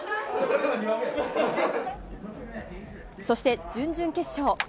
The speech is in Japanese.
そして、準々決勝。